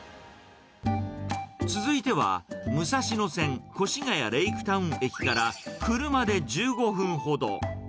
続いては武蔵野線越谷レイクタウン駅から車で１５分ほど。